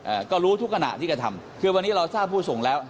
ก็รู้ทุกขณะที่กระทำคือวันนี้เราทราบผู้ส่งแล้ว